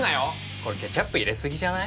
これケチャップ入れ過ぎじゃない？